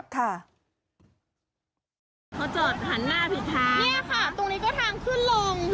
เขาจอดหันหน้าผิดทางเนี่ยค่ะตรงนี้ก็ทางขึ้นลง